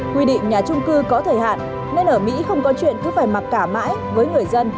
quy định nhà trung cư có thời hạn nên ở mỹ không có chuyện cứ phải mặc cả mãi với người dân